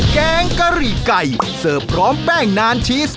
แกงกะหรี่ไก่เสิร์ฟพร้อมแป้งนานชีส